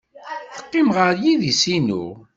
Teqqim ɣer yidis-inu.